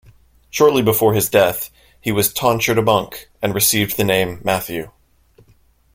Shortly before his death he was tonsured a monk and received the name "Matthew".